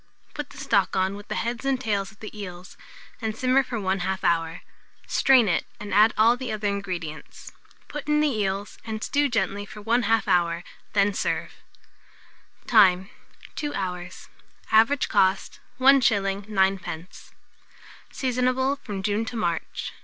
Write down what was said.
Put the stock on with the heads and tails of the eels, and simmer for 1/2 hour; strain it, and add all the other ingredients. Put in the eels, and stew gently for 1/2 hour, when serve. Time. 2 hours. Average cost, 1s. 9d. Seasonable from June to March.